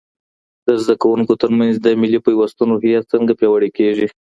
د زده کوونکو ترمنځ د ملي پیوستون روحیه څنګه پیاوړې کیږي؟